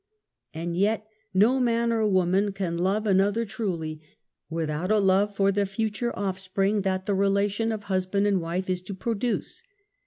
And yet no man or woman can love another truly without a love for the future offspring that the relation of husband and wife is to produce.